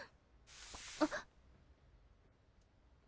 あっ！